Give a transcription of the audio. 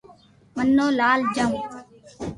منو لآلچاوُ